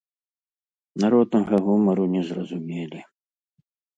Народнага гумару не зразумелі.